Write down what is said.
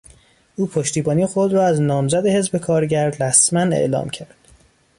او پشتیبانی خود را از نامزد حزب کارگر رسما اعلام کرد.